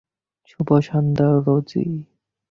শুভ সন্ধ্যা, রোজি।